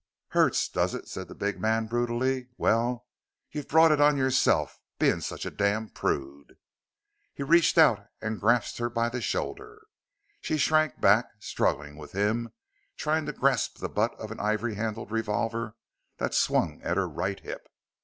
"Hurts, does it?" said the big man, brutally. "Well, you've brought it on yourself, being such a damn prude!" He reached out and grasped her by the shoulder. She shrank back, struggling with him, trying to grasp the butt of an ivory handled revolver that swung at her right hip.